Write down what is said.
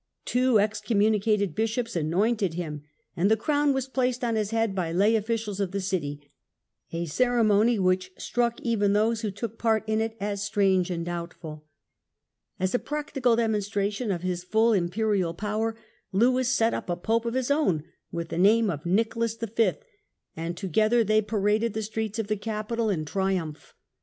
Two ex communicated Bishops anointed him and the crown was placed on his head by lay officials of the city ; a ceremony which struck even those who took part in it as strange and doubtful. As a practical demonstration of his full Imperial power, Lewis set up a Pope of his own with the name of Nicholas V., and together they paraded the streets of the capital in triumph.